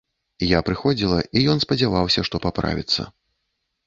Я прыходзіла, і ён спадзяваўся, што паправіцца.